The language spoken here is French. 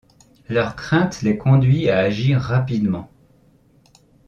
Leur crainte les conduit à agir rapidement.